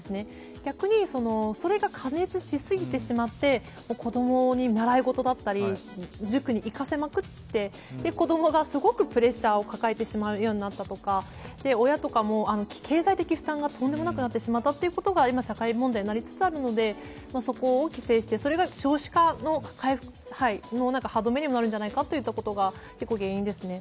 逆にそれが過熱し過ぎてしまって子供に習い事だったり、塾に行かせまくって子供がすごくプレッシャーを抱えてしまったり親とかも経済的負担がとんでもなくなってしまったということが今社会問題になりつつあるので、そこを規制して、それが少子化の歯どめになるんじゃないかといったことが原因ですね。